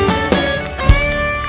ya aja deh